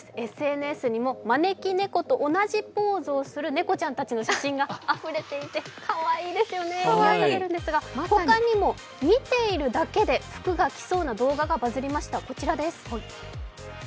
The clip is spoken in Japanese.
ＳＮＳにも招き猫と同じポーズをする猫ちゃんたちの写真があふれていて、かわいいですよね、癒やされるんですが、他にも見ているだけで福が来そうな動画がバズりました。